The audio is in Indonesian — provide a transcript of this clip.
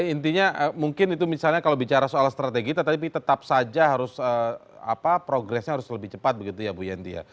intinya mungkin itu misalnya kalau bicara soal strategi tetapi tetap saja harus progresnya harus lebih cepat begitu ya bu yenty ya